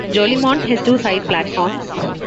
Jolimont has two side platforms.